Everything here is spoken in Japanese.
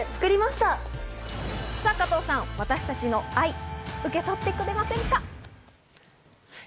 加藤さん、私たちの愛、受け取ってくれませんか？